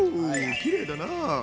きれいだな！